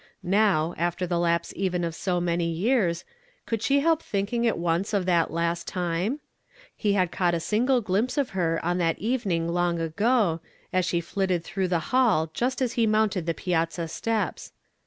Now, after the lapse even of .>o many years, could she help thinking at once of that last time ? He had caught a singh glimpse of her on that evening long ago, as she flitted through the hall just as he mounted the piazza steps.